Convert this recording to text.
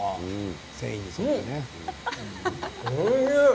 おいしい。